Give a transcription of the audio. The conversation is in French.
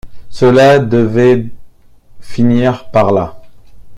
Cela devait finir par là.